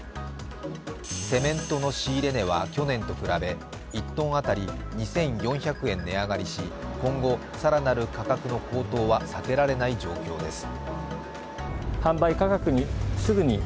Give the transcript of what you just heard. セメントの仕入れ値は去年と比べ１ｔ当たり２４００円値上がりし、今後更なる価格の高騰は避けられない状況です。